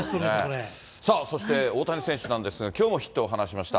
さあ、そして大谷選手なんですがきょうもヒットを放ちました。